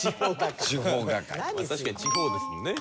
確かに地方ですもんね。